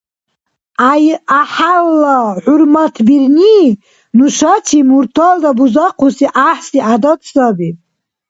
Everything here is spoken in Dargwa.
Гӏяхӏялла хӏурматбирни — нушачиб мурталра бузахъуси гӏяхӏси гӏядат саби.